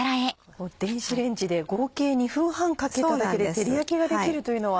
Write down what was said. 電子レンジで合計２分半かけただけで照り焼きができるというのは。